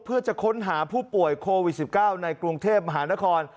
เพื่อจะค้นหาผู้ป่วยโควิด๑๙ในกรุงเทพมหานคร